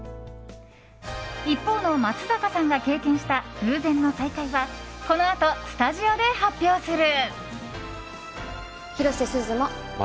一方の松坂さんが経験した偶然の再会はこのあとスタジオで発表する。